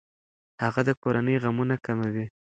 هغه د کورنۍ غمونه کموي.